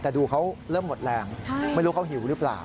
แต่ดูเขาเริ่มหมดแรงไม่รู้เขาหิวหรือเปล่า